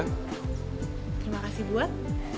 terima kasih buat